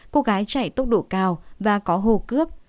cô gái chạy tốc độ cao và có hô cướp